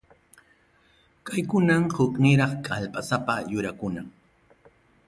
Kaykunam hukniraq kallpasapa yurakuna.